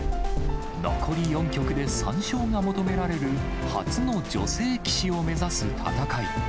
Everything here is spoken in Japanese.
残り４局で３勝が求められる初の女性棋士を目指す戦い。